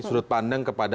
sudut pandang kepada